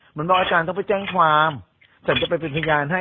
เหมือนบอกอาจารย์เขาไปแจ้งความฉันจะไปเป็นพยานให้